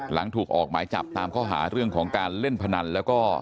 หลังถูกออกหมายจับตามข้อหาเรื่องของการเล่นพนันแล้วก็